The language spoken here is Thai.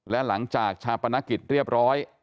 และหลังจากชาปนกิจเรียบร้อย